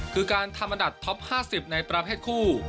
คือการทำอันดับท็อป๕๐ในประเภทคู่